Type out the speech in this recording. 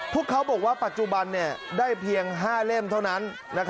พวกเขาบอกว่าปัจจุบันได้เพียง๕เล่มเท่านั้น